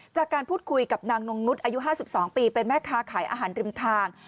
จากการพูดคุยกับนางนงนุษย์อายุ๕๒ปีเป็นแม่ค้าขายอาหารริมทาง